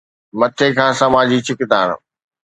مٿي کان سماجي ڇڪتاڻ.